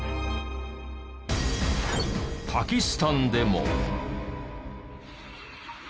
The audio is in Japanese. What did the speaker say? パキスタンでも。